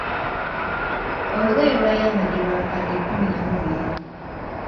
Olugoye lw'ayambadde lwabukadde kkumi na bubiri.